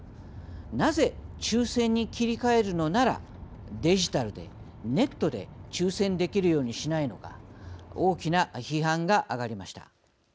なぜ、抽せんに切り替えるのならデジタルで、ネットで抽せんできるようにしないのか大きな批判が上がりました。